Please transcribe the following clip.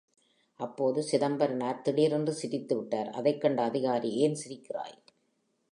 அப்போது சிதம்பரனார் திடீரென்று சிரித்து விட்டார் அதைக் கண்ட அதிகாரி ஏன், சிரிக்கிறாய்?